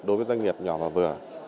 đối với doanh nghiệp nhỏ và vừa